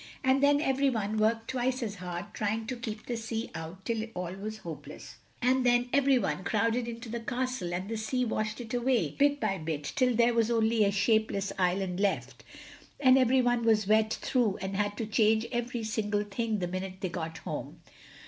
And then everyone worked twice as hard trying to keep the sea out till all was hopeless, and then everyone crowded into the castle and the sea washed it away bit by bit till there was only a shapeless island left, and everyone was wet through and had to change every single thing the minute they got home.